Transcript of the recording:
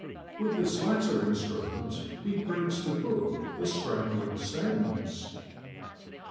With this latter instrument he brings to book the straggling stems.